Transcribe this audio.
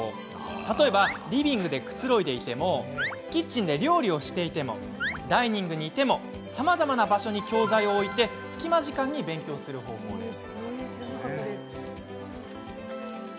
例えばリビングでくつろいでいてもキッチンで料理をしてもダイニングにいてもさまざまな場所に教材を置いて隙間時間に勉強する方法です。